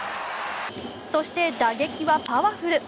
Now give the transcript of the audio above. そして、打撃はパワフル。